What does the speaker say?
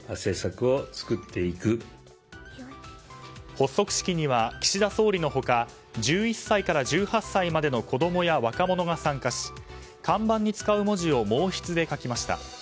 発足式には岸田総理の他１１歳から１８歳までの子供や若者が参加し看板に使う文字を毛筆で書きました。